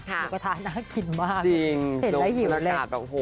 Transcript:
ลูกค้าน่ากินมากเห็นแล้วหิวเลย